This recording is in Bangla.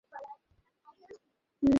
দু-এক দিনের মধ্যেই দেরাদুন যাত্রা করিব।